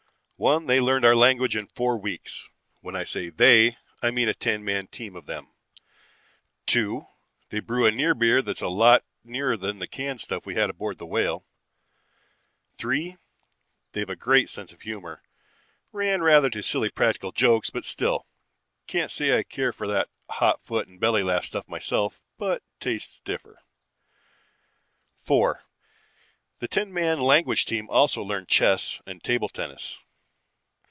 "One, they learned our language in four weeks. When I say they, I mean a ten man team of them. "Two, they brew a near beer that's a lot nearer than the canned stuff we had aboard the Whale. "Three, they've a great sense of humor. Ran rather to silly practical jokes, but still. Can't say I care for that hot foot and belly laugh stuff myself, but tastes differ. "Four, the ten man language team also learned chess and table tennis.